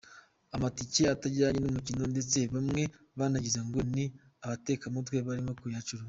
Amatike atajyanye n'umukino, ndetse bamwe banagize ngo ni abatekamutwe barimo kuyacuruza.